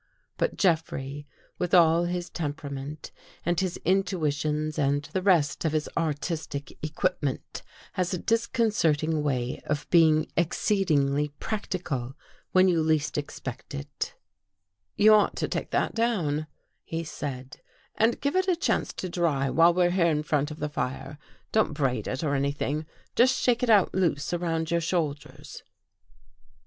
But Jeffrey, with all his temperament, and his intuitions and the rest of his artistic equipment, has a disconcerting way of being exceedingly practical when you least expect it. You ought to take that down," he said, " and give it a chance to dry while we're here in front of the fire. Don't braid it or anything. Just shake it out loose around your shoulders."